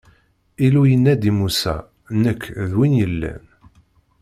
Illu yenna-d i Musa: Nekk, d Win yellan.